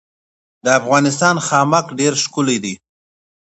د افغانستان خامک ډیر ښکلی دی